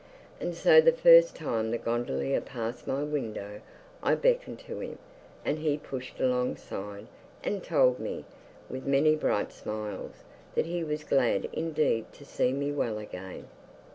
And so the first time the gondolier passed my window I beckoned to him, and he pushed alongside, and told me, with many bright smiles, that he was glad indeed to see me well again.